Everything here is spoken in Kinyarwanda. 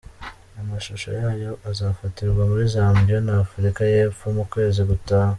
Amashusho yayo azafatirwa muri Zambia na Afurika y’Epfo mu Kwezi gutaha.